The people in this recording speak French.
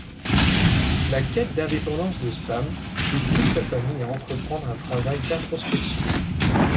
La quête d'indépendance de Sam pousse toute sa famille à entreprendre un travail d'introspection.